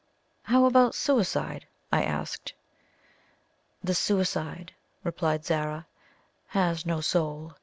"How about suicide?" I asked. "The suicide," replied Zara, "has no soul.